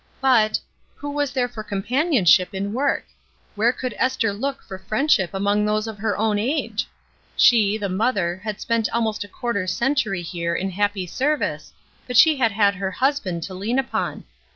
But — who was there for companionship in work? Where could Esther look for friendship among those of her own age ? She, the mother, had spent almost a quarter century here in happy service, but she had had her husband to lean upon.